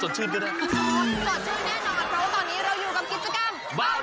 ก็ได้สดชื่นแน่นอนเพราะว่าตอนนี้เราอยู่กับกิจกรรมบ้าน